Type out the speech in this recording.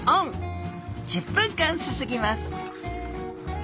１０分間すすぎます。